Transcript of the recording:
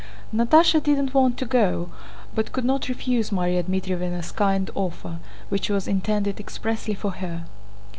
Natásha did not want to go, but could not refuse Márya Dmítrievna's kind offer which was intended expressly for her.